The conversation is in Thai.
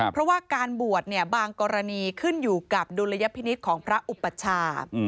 เพราะว่าการบวชบางกรณีขึ้นอยู่กับดุลยพินิษฐ์ของพระอุปชา